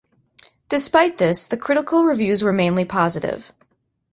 Despite this, the critical reviews were mainly positive.